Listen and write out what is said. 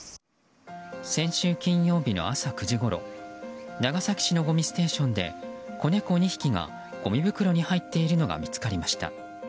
先週金曜日の朝９時ごろ長崎市のごみステーションで子猫２匹がごみ袋に入っているのが見つかりました。